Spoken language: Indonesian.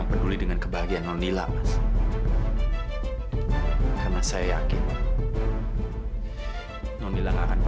sampai jumpa di video selanjutnya